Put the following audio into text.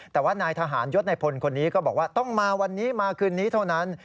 แต่ว่านายทหารยศในพลคนนี้ก็บอกว่าต้องมาวันนี้มาคืนนี้เท่านั้น